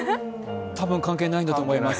多分、関係ないんだと思います。